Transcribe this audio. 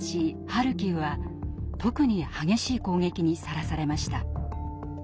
ハルキウは特に激しい攻撃にさらされました。